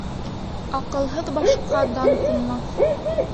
Аҡылһыҙ башҡа дан ҡунмаҫ